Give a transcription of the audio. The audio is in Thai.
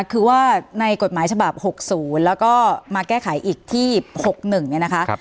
คือว่าในกฎหมายฉบาปหกศูนย์แล้วก็มาแก้ไขอีกที่หกหนึ่งเนี้ยนะคะครับ